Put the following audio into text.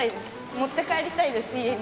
持って帰りたいです家に。